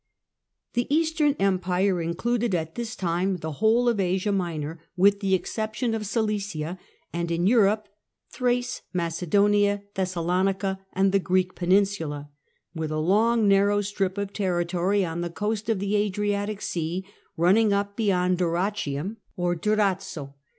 The Eastern Empire included at this time the whole of Asia Minor, with the exception of Cilicia ; and, in Europe, Thrace, Macedonia, Thessalonica, and the Greek peninsula, with a long, narrow strip of territory on the coast of the Adriatic Sea, running up beyond Dyrrachium or 61 62 THE CENTRAL PERIOD OF THE MIDDLE AGE Durazzo.